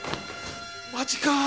マジか！